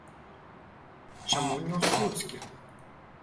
Чаму не ў слуцкі?